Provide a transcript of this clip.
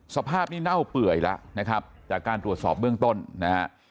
สภาพนี้เน่าเปื่อยแล้วนะครับจากการตรวจสอบเบื้องต้นนะฮะ